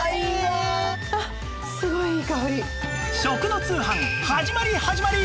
食の通販始まり始まり！